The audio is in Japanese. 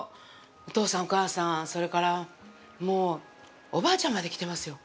お父さん、お母さん、それから、もう、おばあちゃんまで来てますよ。